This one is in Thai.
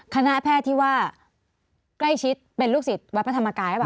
คณะแพทย์ที่ว่าใกล้ชิดเป็นลูกศิษย์วัดพระธรรมกายหรือเปล่า